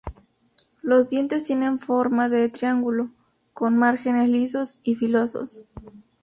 Los dientes tienen forma de triángulo, con márgenes lisos y filosos.